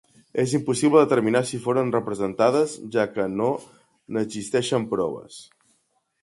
És impossible determinar si foren representades, ja que no n'existeixen proves.